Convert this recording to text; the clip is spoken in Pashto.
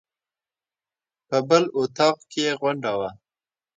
په بل اطاق کې یې غونډه وه.